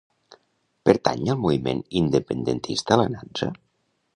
Pertany al moviment independentista la Natza?